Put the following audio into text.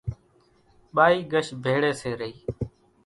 ٻائِي ڳش ڀيڙيَ سي رئِي۔